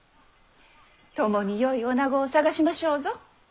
共によいおなごを探しましょうぞ。